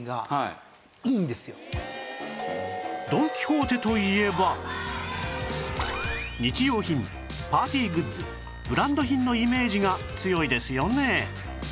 ホントね日用品パーティーグッズブランド品のイメージが強いですよね